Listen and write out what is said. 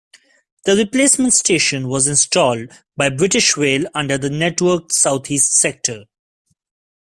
The replacement station was installed by British Rail under the Network SouthEast sector.